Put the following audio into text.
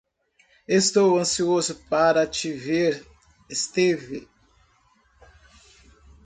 Estou ansioso para te ver, Esteve.